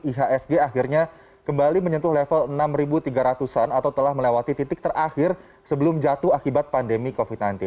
ihsg akhirnya kembali menyentuh level enam tiga ratus an atau telah melewati titik terakhir sebelum jatuh akibat pandemi covid sembilan belas